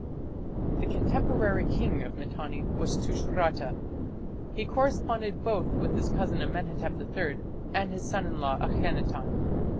The contemporary king of Mitanni was Tushratta. He corresponded both with his cousin Amenhotep III and his son in law Akhenaton.